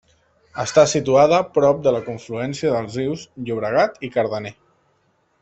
Està situada prop de la confluència dels rius Llobregat i Cardener.